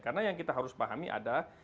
karena yang kita harus pahami ada